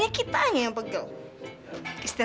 mau ke tempat yang akhir